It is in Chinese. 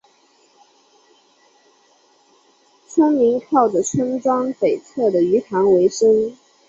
村民靠着村庄北侧的鱼塘维生。